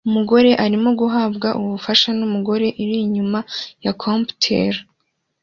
umugore arimo guhabwa ubufasha numugore uri inyuma ya comptoir